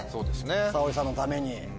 沙保里さんのために。